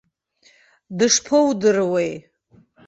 Дышԥоудыруеи?